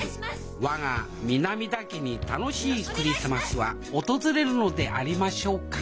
我が南田家に楽しいクリスマスは訪れるのでありましょうか